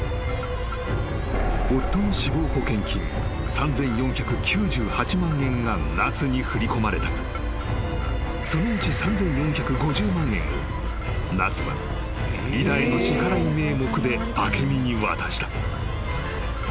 ［夫の死亡保険金３，４９８万円が奈津に振り込まれたがそのうち３，４５０万円を奈津は井田への支払い名目で明美に渡した］